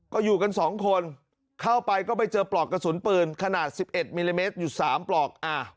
ก็อยู่กัน๒คนเข้าไปก็ไปเจอปลอกกระสุนปืนขนาด๑๑มิลลิเมตรอยู่๓ปลอก